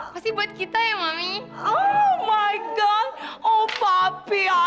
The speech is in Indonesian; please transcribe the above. pasti buat kita ya mami